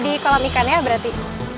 di kolam ikan ya berarti